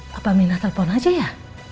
papa minta telepon aja ya